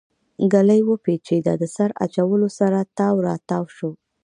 ګلی وپشېده له سر اچولو سره تاو راتاو شو.